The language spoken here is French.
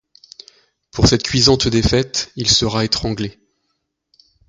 Pour cette cuisante défaite, il sera étranglé.